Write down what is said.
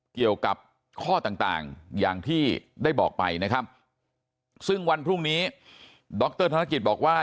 เกี่ยวกับข้อต่างอย่างที่ได้บอกไปนะครับซึ่งวันพรุ่งนี้ดรธนกิจบอกว่า